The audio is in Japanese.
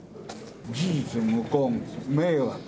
事実無根、迷惑。